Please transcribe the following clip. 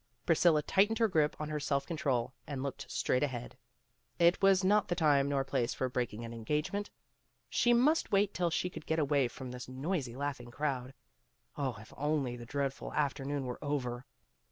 Priscilla tightened her grip on her self control and looked straight ahead. It was not the time nor place for breaking an engagement. She must wait till she could get away from this noisy, laughing crowd. Oh, if only the dread ful afternoon were over.